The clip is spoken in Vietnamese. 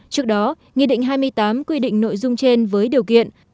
trước đó nghị định hai mươi tám quy định nội dung trên với điều kiện